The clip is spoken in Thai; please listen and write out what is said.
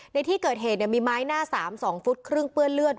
ในที่เกิดเหตุมีไม้หน้า๓๒ฟุตครึ่งเปื้อนเลือด